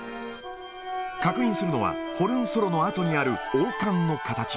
確認するのは、ホルンソロのあとにある王冠の形。